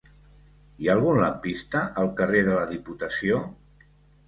Hi ha algun lampista al carrer de la Diputació?